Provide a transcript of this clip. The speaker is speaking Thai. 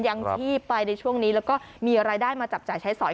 ยังชีพไปในช่วงนี้แล้วก็มีรายได้มาจับจ่ายใช้สอย